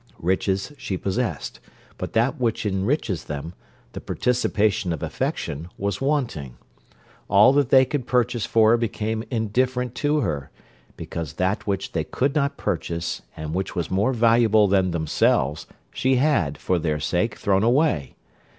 Riches she possessed, but that which enriches them, the participation of affection, was wanting. All that they could purchase for her became indifferent to her, because that which they could not purchase, and which was more valuable than themselves, she had, for their sake, thrown away.